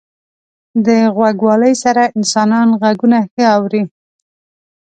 • د غوږوالۍ سره انسانان ږغونه ښه اوري.